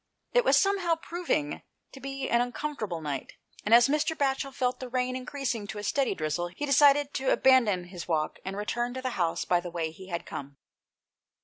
It was somehow proving to be an uncomfortable night, and as Mr. Batchel felt the rain increas ing to a steady drizzle he decided to abandon his walk and to return to the house by the way he had come.